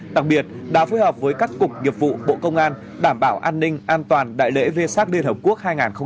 đặc biệt đã phối hợp với các cục nghiệp vụ bộ công an đảm bảo an ninh an toàn đại lễ vê sát đền hợp quốc hai nghìn một mươi chín